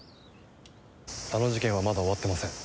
あの事件はまだ終わってません。